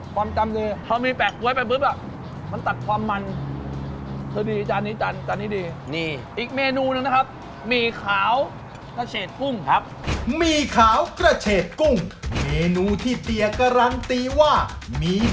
โปรดติดตามตอนต่อไป